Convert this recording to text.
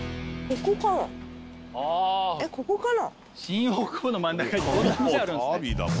ここかな？